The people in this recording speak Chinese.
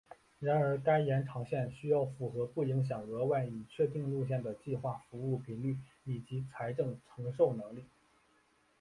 然而该延长线需要符合不影响额外已确定路线的计划服务频率以及财政承受能力。